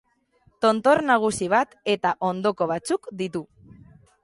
Tontor nagusi bat eta ondoko batzuk ditu.